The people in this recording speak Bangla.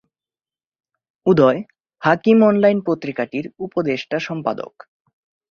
উদয় হাকিম অনলাইন পত্রিকাটির উপদেষ্টা সম্পাদক।